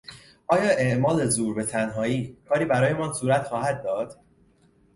آیا اعمال زور به تنهایی کاری برایمان صورت خواهد داد؟